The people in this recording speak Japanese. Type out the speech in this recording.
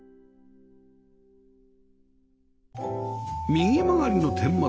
右曲がりの天窓